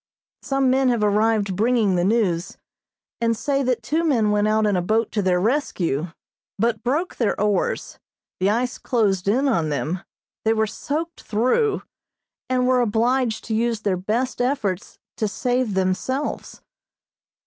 Some men have arrived bringing the news, and say that two men went out in a boat to their rescue, but broke their oars, the ice closed in on them, they were soaked through, and were obliged to use their best efforts to save themselves.